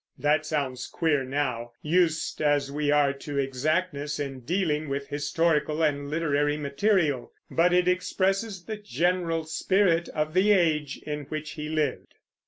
That sounds queer now, used as we are to exactness in dealing with historical and literary material; but it expresses the general spirit of the age in which he lived.